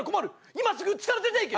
今すぐうちから出ていけ！